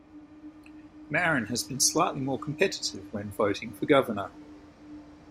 Marin has been slightly more competitive when voting for governor.